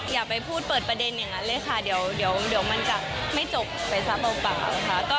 อย่าไปพูดเปิดประเด็นอย่างนั้นเลยค่ะเดี๋ยวมันจะไม่จบไปซะเปล่านะคะ